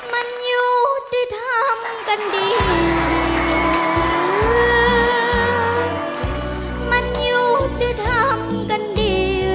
โปรดติดตามตอนต่อไป